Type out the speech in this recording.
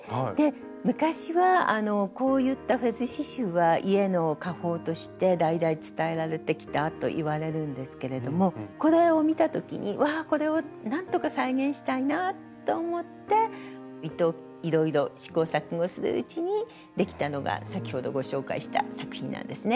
昔はこういったフェズ刺しゅうは家の家宝として代々伝えられてきたといわれるんですけれどもこれを見た時にわあこれをなんとか再現したいなと思って糸いろいろ試行錯誤するうちにできたのが先ほどご紹介した作品なんですね。